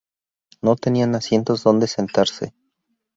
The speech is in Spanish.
No tenían asientos donde sentarse.